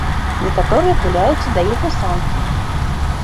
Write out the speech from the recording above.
Некаторыя куляюцца да іх у санкі.